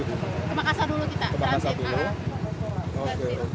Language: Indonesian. kemakasa dulu kita transit